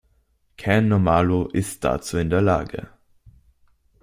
Kein Normalo ist dazu in der Lage.